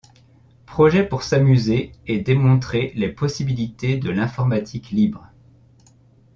Projet pour s'amuser et démontrer les possibilités de l'informatique libre.